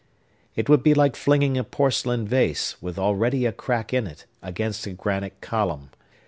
It would be like flinging a porcelain vase, with already a crack in it, against a granite column.